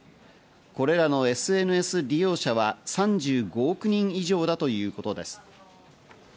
これらのＳＮＳ利用者は３５億人以上だということです。